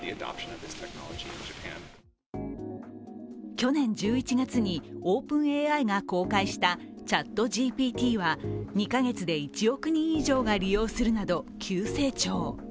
去年１１月にＯｐｅｎＡＩが公開したＣｈａｔＧＰＴは２か月で１億人以上が利用するなど急成長。